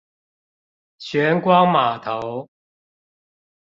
玄光碼頭